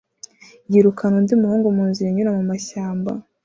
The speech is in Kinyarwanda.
yirukana undi muhungu munzira inyura mumashyamba